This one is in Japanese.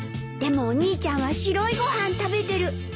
でもお兄ちゃんは白いご飯食べてる。